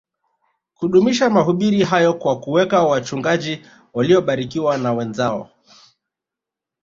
kudumisha mahubiri hayo kwa kuweka wachungaji waliobarikiwa na wenzao